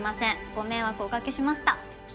ご迷惑をおかけしました。